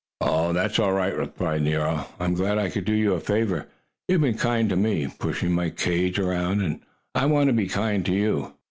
"Oh, that's all right," replied Nero. "I'm glad I could do you a favor. You have been kind to me, pushing my cage around, and I want to be kind to you."